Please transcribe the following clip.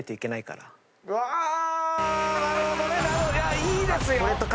いいですよ。